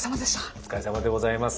お疲れさまでございます。